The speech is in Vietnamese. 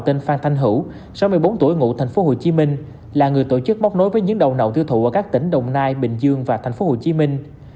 tên phan thanh hữu sáu mươi bốn tuổi ngụ thành phố hồ chí minh là người tổ chức bóc nối với những đầu nậu tiêu thụ ở các tỉnh đồng nai bình dương và thành phố hồ chí minh